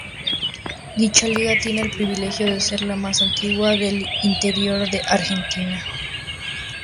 Dicha liga tiene el privilegio de ser la más antigua del interior de Argentina.